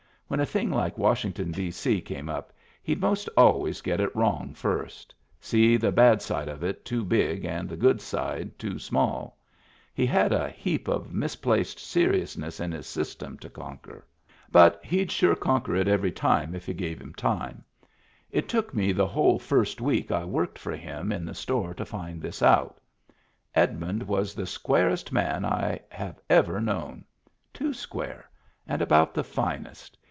When a thing like Washington, D.C., came up, he'd most always get it wrong first — see the bad side of it too big and the good side too small — he had a heap of misplaced seriousness in his system to conquer. But he'd sure conquer it every time if y'u gave him time. It took me Digitized by Google 244 MEMBERS OF THE FAMILY the whole first week I worked for him in the store to find this out. Edmund was the squarest man I have ever known. Too square. And about the finest.